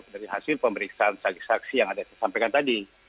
dari hasil pemeriksaan saksi saksi yang ada disampaikan tadi